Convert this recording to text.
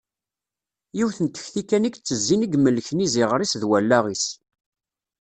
Yiwet n tekti kan i yettezin i imelken iziɣer-is d wallaɣ-is.